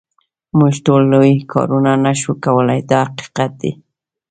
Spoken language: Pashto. موږ ټول لوی کارونه نه شو کولای دا حقیقت دی.